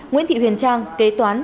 nguyễn thị huyền trang kế toán